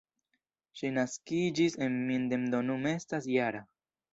Ŝi naskiĝis en Minden, do nun estas -jara.